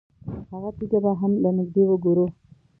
هغه تیږه به هم له نږدې وګورو.